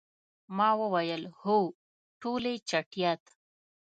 ما وویل، هو، ټولې چټیات.